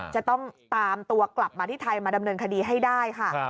จะต้องตามตัวกลับมาที่ไทยมาดำเนินคดีให้ได้ค่ะ